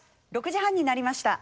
６時半になりました。